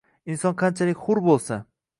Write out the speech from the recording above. Inson qanchalik hur bo‘lsa